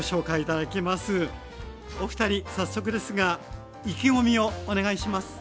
お二人早速ですが意気込みをお願いします。